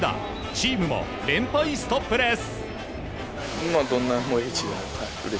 チームも連敗ストップです。